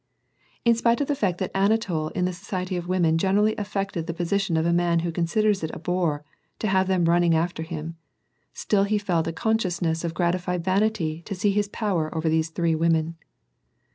In spite of the fact that Anatol in the society of women generally affected the position of a man who considers it a bore to have them running after him, still he felt a conscious ness of gratified vanity to see his power over these three women.